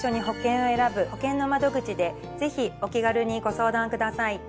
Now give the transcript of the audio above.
ぜひお気軽にご相談ください。